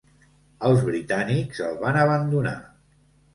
Els britànics el van abandonar.